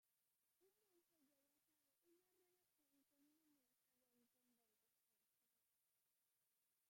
Un monje llevó a cabo una relación con una monja de un convento cercano.